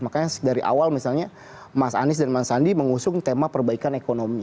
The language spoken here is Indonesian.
makanya dari awal misalnya mas anies dan mas sandi mengusung tema perbaikan ekonomi